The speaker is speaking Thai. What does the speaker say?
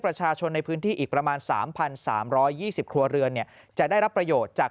ประชาชนในพื้นที่อีกประมาณ๓๓๒๐ครัวเรือนจะได้รับประโยชน์จาก